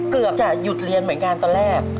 เกือบจะหยุดเรียนเหมือนกันตอนแรก